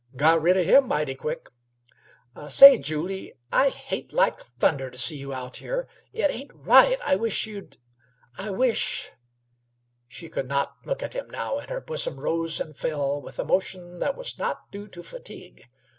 "Got rid o' him mighty quick. Say, Julyie, I hate like thunder t' see you out here; it ain't right. I wish you'd I wish " She could not look at him now, and her bosom rose and fell with a motion that was not due to fatigue.